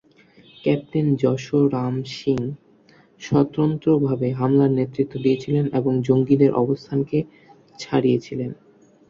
Captain Yash Ram Singh স্বতন্ত্রভাবে হামলার নেতৃত্ব দিয়েছিলেন এবং জঙ্গিদের অবস্থানকে ছাড়িয়েছিলেন।